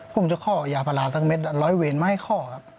ผมจะขอยาพาราทั้งเม็ดร้อยเวรมาให้ข้อครับ